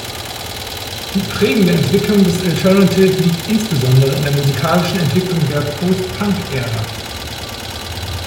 Die prägende Entwicklung des Alternative liegt insbesondere in der musikalischen Entwicklung der Post-Punk-Ära.